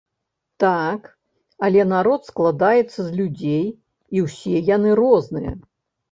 Так, але народ складаецца з людзей, і ўсе яны розныя.